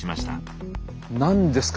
何ですか？